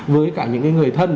với cả những cái người thân